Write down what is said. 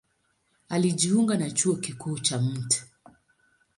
Alijiunga na Chuo Kikuu cha Mt.